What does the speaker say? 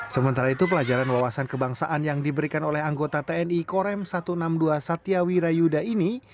sementara itu pelajaran wawasan kebangsaan yang diberikan oleh anggota tni korem satu ratus enam puluh dua satya wirayuda ini